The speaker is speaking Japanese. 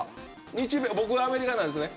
日米僕がアメリカなんですね。